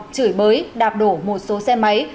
chửi bới đạp đổ một số xe máy